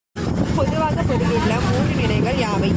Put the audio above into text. பொதுவாகப் பொருள் உள்ள மூன்று நிலைகள் யாவை?